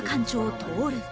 トオル